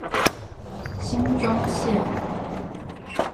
新莊線